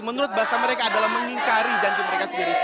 menurut bahasa mereka adalah mengingkari janji mereka sendiri